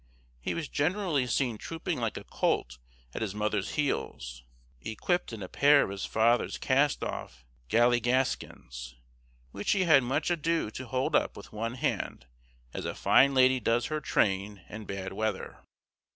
He was generally seen trooping like a colt at his mother's heels, equipped in a pair of his father's cast off galligaskins, which he had much ado to hold up with one hand, as a fine lady does her train in bad weather.